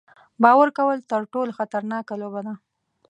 باور کول تر ټولو خطرناکه لوبه ده.